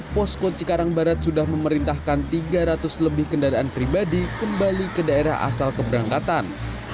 posko cikarang barat sudah memerintahkan tiga ratus lebih kendaraan pribadi kembali ke daerah asal keberangkatan